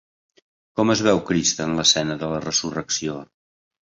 Com es veu Crist en l'escena de la Resurrecció?